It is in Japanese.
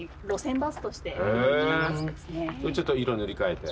ちょっと色塗り替えて？